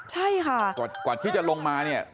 ใช่ค่ะกว่าที่จะลงมาเนี่ย